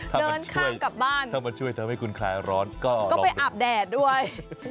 เดินข้ามกลับบ้านถ้ามาช่วยทำให้คุณคลายร้อนก็ไปอาบแดดด้วย